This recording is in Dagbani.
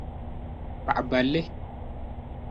paɣa balli.